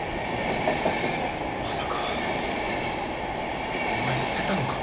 まさかお前捨てたのか？